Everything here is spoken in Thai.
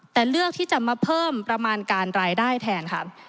แต่เลือกที่จะมาเพิ่มประมาณการรายได้แทนค่ะ